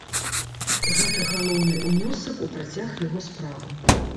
Гэта галоўны ўнёсак у працяг яго справы.